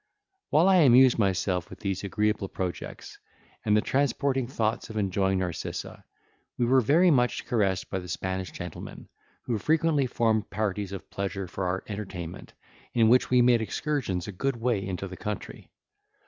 While I amused myself with these agreeable projects, and the transporting thoughts of enjoying Narcissa, we were very much caressed by the Spanish gentlemen, who frequently formed parties of pleasure for our entertainment, in which we made excursions a good way into the country.